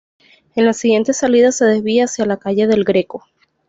En la siguiente salida se desvía hacia la calle del Greco.